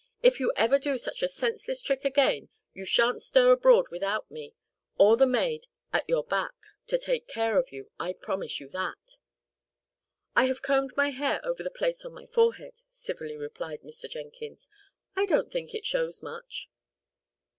"If you ever do such a senseless trick again, you shan't stir abroad without me or the maid at your back, to take care of you; I promise you that!" "I have combed my hair over the place on my forehead!" civilly replied Mr. Jenkins. "I don't think it shows much."